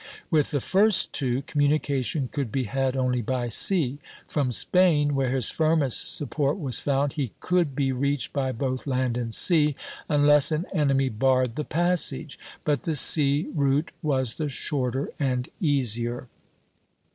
With the first two, communication could be had only by sea. From Spain, where his firmest support was found, he could be reached by both land and sea, unless an enemy barred the passage; but the sea route was the shorter and easier.